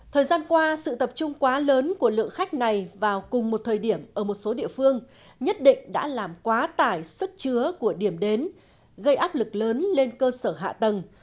thời gian qua sự tập trung quá lớn của lượng khách này vào cùng một thời điểm ở một số địa phương nhất định đã làm quá tải sức chứa của điểm đến gây áp lực lớn lên cơ sở hạ tầng